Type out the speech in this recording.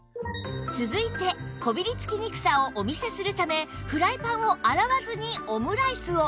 続いてこびりつきにくさをお見せするためフライパンを洗わずにオムライスを